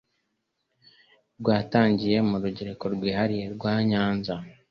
rwatangiye mu rugereko rwihariye rwa Nyanza.